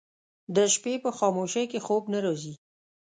د شپې په خاموشۍ کې خوب نه راځي